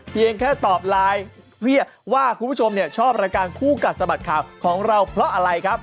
เพียงแค่ตอบไลน์เรียกว่าคุณผู้ชมชอบรายการคู่กัดสะบัดข่าวของเราเพราะอะไรครับ